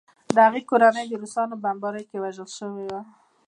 د هغې کورنۍ د روسانو په بمبارۍ کې وژل شوې وه